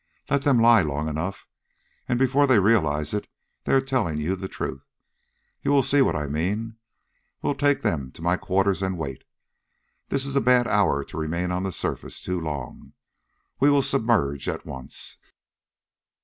Let them lie long enough and before they realize it they are telling you the truth. You will see what I mean. Well, take them to my quarters, and wait. This is a bad hour to remain on the surface too long. We will submerge at once."